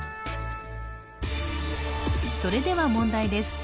それでは問題です